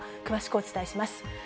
詳しくお伝えします。